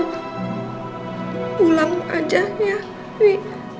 pulang aja ya wi